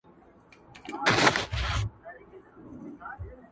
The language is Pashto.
د کښتۍ د چلولو پهلوان یې!.